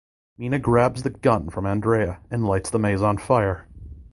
Meena grabs the gun from Andrea and lights the maze on fire.